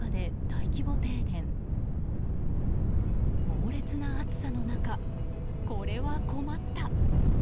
猛烈な暑さの中、これは困った。